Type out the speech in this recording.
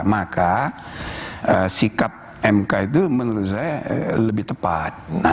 maka sikap mk itu menurut saya lebih tepat